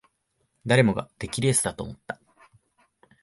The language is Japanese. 誰もが出来レースだと思った